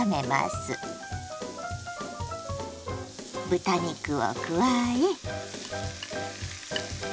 豚肉を加え。